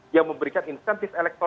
yang memberikan instant